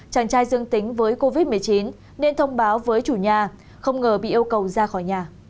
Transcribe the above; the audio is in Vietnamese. chàng trai dương tính với covid một mươi chín nên thông báo với chủ nhà không ngờ bị yêu cầu ra khỏi nhà